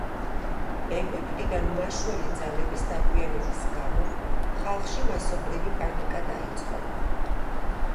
ეგვიპტიდან მაშველი ძალების დაგვიანების გამო ხალხში მასობრივი პანიკა დაიწყო.